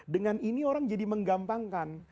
dengan ini orang jadi menggampangkan